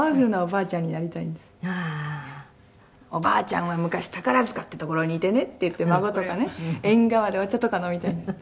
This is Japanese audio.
「ああー」「おばあちゃんは昔宝塚ってところにいてねって言って孫とかね縁側でお茶とか飲みたいんです」